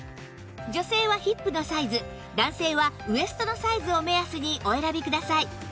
女性はヒップのサイズ男性はウエストのサイズを目安にお選びください